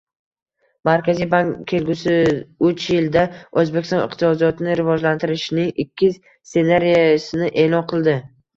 Markaziy bank kelgusiuchyilda O‘zbekiston iqtisodiyotini rivojlantirishning ikki ssenariysini e’lon qildi